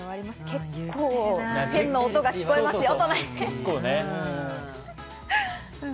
結構ペンの音が聞こえますよ。